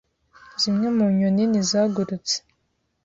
Zimwe mu nyoni ntizagurutse.